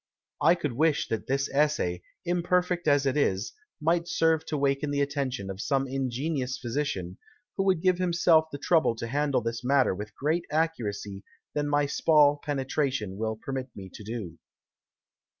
I could wish that this Essay, imperfect as it is, might serve to waken the Attention of some ingenious Physician, who would give himself the trouble to handle this Matter with greater Accuracy than my small Penetration will permit me to do.